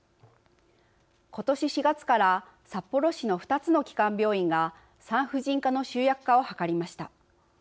今年４月から札幌市の２つの基幹病院が産婦人科の集約化を図りました。